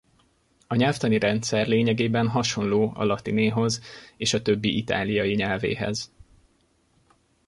A nyelvtani rendszer lényegében hasonló a latinéhoz és a többi itáliai nyelvéhez.